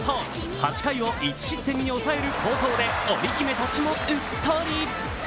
８回を１失点に抑える好投でオリ姫たちもうっとり。